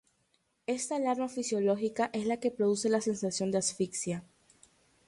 Esta alarma fisiológica es la que produce la sensación de asfixia.